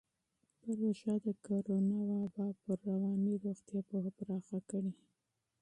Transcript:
پروژه د کورونا وبا پر رواني روغتیا پوهه پراخه کړې.